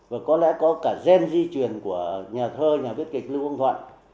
và có lẽ có cả gen di truyền của nhà thơ nhà viết kịch lưu quang thuận